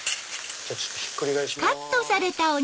ひっくり返します。